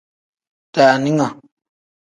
Daaninga.